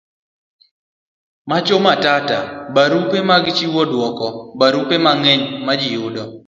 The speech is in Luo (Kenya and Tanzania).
Macho Matata. barupe mag chiwo duoko. barupe mang'eny majiyudo